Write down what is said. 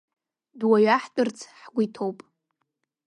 Дуаҩаҳтәырц ҳгәы иҭоуп…